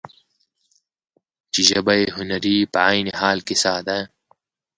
چې ژبه يې هنري په عين حال کې ساده ،